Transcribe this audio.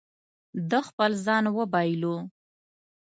ده خپل ځان وبایلو.